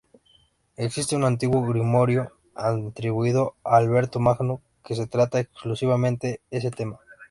Existe un antiguo grimorio atribuido a Alberto Magno que trata exhaustivamente ese tema.